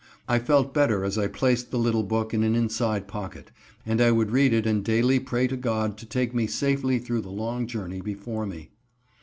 I felt better as I placed the little book in an inside pocket, and I would read it and daily pray to God to take me safely through the long journey before me.